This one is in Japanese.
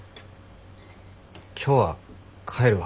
今日は帰るわ。